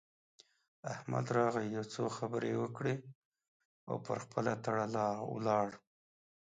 احمد راغی؛ يو څو خبرې يې وکړې او پر خپله تړه ولاړ.